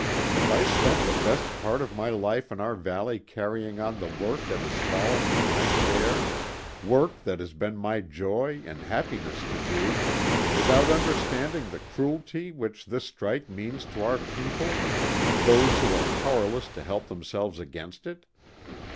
Have I spent the best part of my life in our valley carrying on the work that has fallen to my share work that has been my joy and happiness to do without understanding the cruelty which this strike means to our people, those who are powerless to help themselves against it?